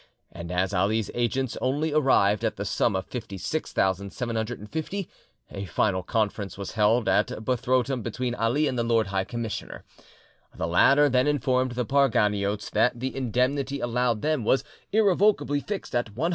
And as Ali's agents only arrived at the sum of 56,750, a final conference was held at Buthrotum between Ali and the Lord High Commissioner. The latter then informed the Parganiotes that the indemnity allowed them was irrevocably fixed at 150,000!